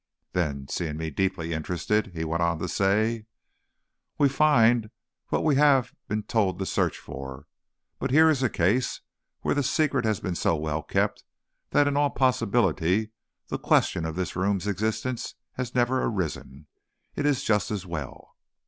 Then seeing me deeply interested, he went on to say: "'We find what we have been told to search for; but here is a case where the secret has been so well kept that in all possibility the question of this room's existence has never arisen. It is just as well.'